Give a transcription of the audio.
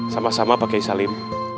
sama sama pakai salim